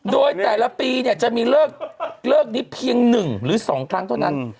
โดยแต่ละปีเนี่ยจะมีเลิกนี้เพียง๑หรือ๒ครั้งเท่านั้น